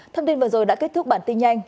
thông tin vừa rồi đã kết thúc bản tin nhanh